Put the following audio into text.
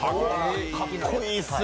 かっこいいっすよ。